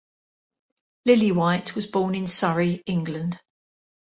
Lillywhite was born in Surrey, England.